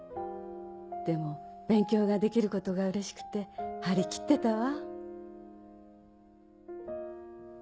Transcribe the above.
でも勉強ができることが嬉しくて張り切ってたわ。